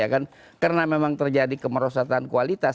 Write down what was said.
karena memang terjadi kemerosotan kualitas